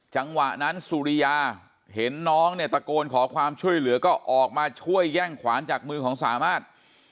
จังหวะนั้นสุริยาเห็นน้องเนี่ยตะโกนขอความช่วยเหลือก็ออกมาช่วยแย่งขวานจากมือของสามารถ